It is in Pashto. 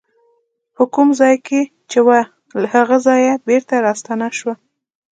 په کوم ځای کې چې وه له هغه ځایه بېرته راستنه شوه.